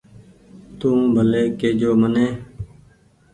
تو ڀلي ڪي تو جو مني